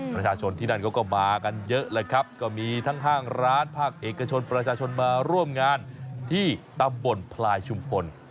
ประชาชนที่นั่นเขาก็มากันเยอะเลยครับก็มีทั้งห้างร้านภาคเอกชนประชาชนมาร่วมงานที่ตำบลพลายชุมพล